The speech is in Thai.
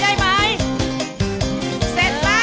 เสร็จไหมเสร็จไหม